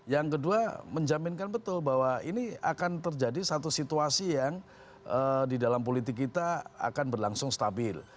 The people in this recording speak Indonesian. yang kedua menjaminkan betul bahwa ini akan terjadi satu situasi yang di dalam politik kita akan berlangsung stabil